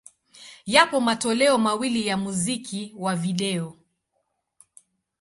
Yapo matoleo mawili ya muziki wa video.